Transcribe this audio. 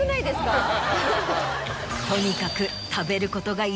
とにかく。